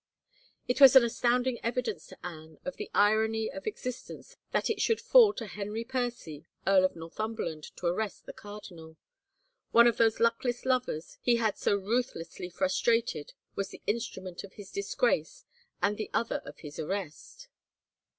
It was an astounding evidence to Anne of the irony of existence that it should fall to Henry Percy, Earl of Northumberland, to arrest the cardinal. One of those luckless lovers he had so ruthlessly frustrated was the instrument of his disgrace and the other of his arrest!